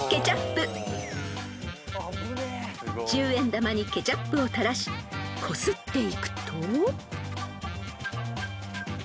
［十円玉にケチャップを垂らしこすっていくと］